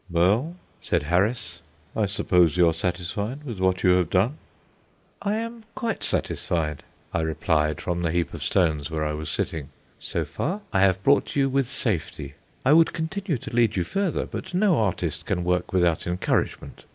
"Well," said Harris. "I suppose you are satisfied with what you have done?" "I am quite satisfied," I replied from the heap of stones where I was sitting. "So far, I have brought you with safety. I would continue to lead you further, but no artist can work without encouragement.